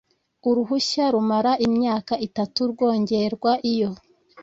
uruhushya rumara imyaka itatu rwongerwa iyo